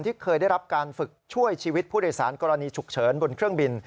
ที่เคยได้รับการฝึกช่วยชีวิตผู้โดยสารกรณีฉุกเฉินบนเครื่องบิน